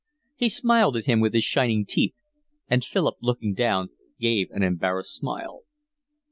He smiled at him with his shining teeth, and Philip, looking down, gave an embarrassed smile.